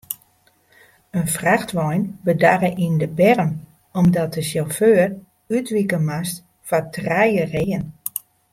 In frachtwein bedarre yn de berm omdat de sjauffeur útwike moast foar trije reeën.